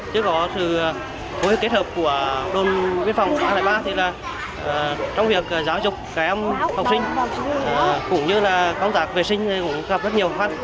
trước đó sự phối hợp kết hợp của đồn biên phòng ba tầng ba thì là trong việc giáo dục các em học sinh cũng như là công tác vệ sinh cũng gặp rất nhiều hoạt